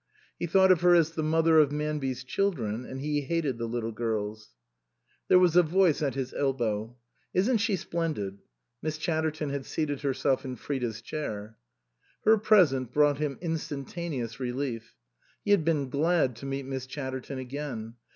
He thought of her as the mother of Manby's children, and he hated the little girls. There was a voice at his elbow. " Isn't she splendid ?" Miss Chatterton had seated herself in Frida's chair. Her presence brought him instantaneous re lief. He had been glad to meet Miss Chatterton again.